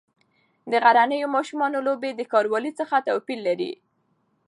د غرنیو ماشومانو لوبې د ښاروالۍ څخه توپیر لري.